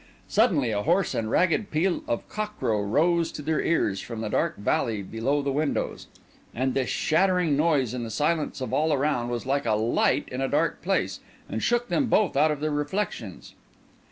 Suddenly a hoarse and ragged peal of cockcrow rose to their ears from the dark valley below the windows. And this shattering noise in the silence of all around was like a light in a dark place, and shook them both out of their reflections.